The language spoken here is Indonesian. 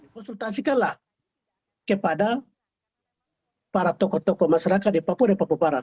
konsultasikanlah kepada para tokoh tokoh masyarakat di papua